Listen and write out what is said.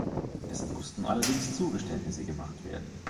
Es mussten allerdings Zugeständnisse gemacht werden.